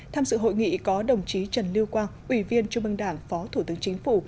tham dự hội nghị có đồng chí trần lưu quang ủy viên trung mương đảng phó thủ tướng chính phủ